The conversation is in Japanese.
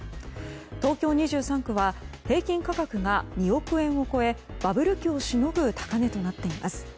東京２３区は平均価格が２億円を超えバブル期をしのぐ高値となっています。